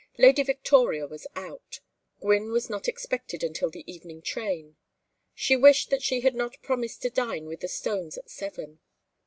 Lady Victoria was out. Gwynne was not expected until the evening train. She wished that she had not promised to dine with the Stones at seven.